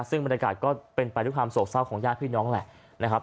ซึ่งบรรยากาศก็เป็นไปด้วยความโศกเศร้าของญาติพี่น้องแหละนะครับ